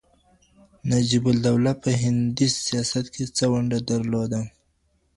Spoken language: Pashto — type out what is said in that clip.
نجیب الدوله په هندي سیاست کي څه ونډه درلوده؟